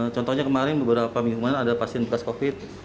contohnya kemarin beberapa minggu kemarin ada pasien pas covid sembilan belas